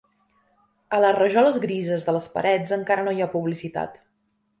A les rajoles grises de les parets encara no hi ha publicitat.